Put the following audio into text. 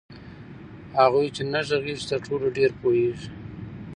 هغوئ چي نه ږغيږي ترټولو ډير پوهيږي